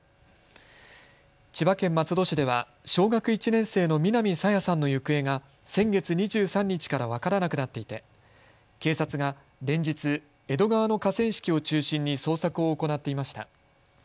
千葉県松戸市では小学１年生の南朝芽さんの行方が先月２３日から分からなくなっていて警察が連日、江戸川の河川敷を中心に捜索を行っていました。